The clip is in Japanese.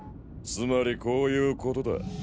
つまりこういうことだ。